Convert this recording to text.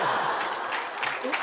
えっ？